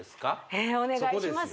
お願いします